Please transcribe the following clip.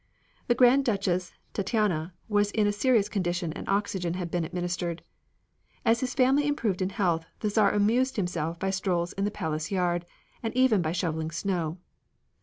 The Grand Duchess Tatiana was in a serious condition and oxygen had been administered. As his family improved in health the Czar amused himself by strolls in the palace yard, and even by shoveling snow.